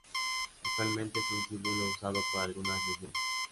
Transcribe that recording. Actualmente es un símbolo usado por algunas lesbianas.